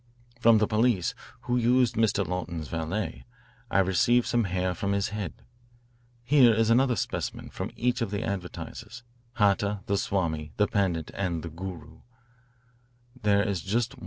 From the police, who used Mr. Lawton's valet, I received some hair from his head. Here is another specimen from each of the advertisers, Hata, the Swami, the Pandit, and the Guru.